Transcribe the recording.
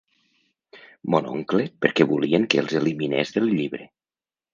Mon oncle perquè volien que els eliminés del llibre.